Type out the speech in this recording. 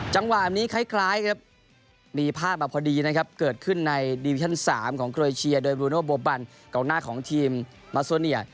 จังหวะนี้คล้ายครับมีภาพมาพอดีนะครับเกิดขึ้นในดิวิชั่น๓ของเกรเชียโดยบรูโนโบบันกองหน้าของทีมมาโซเนีย